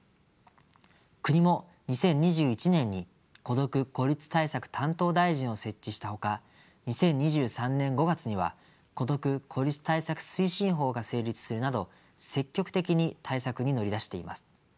国も２０２１年に孤独・孤立対策担当大臣を設置したほか２０２３年５月には孤独・孤立対策推進法が成立するなど積極的に対策に乗り出しています。